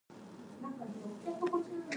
Many corms produce two different types of roots.